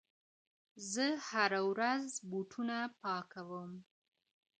زه هره ورځ بوټونه پاکوم!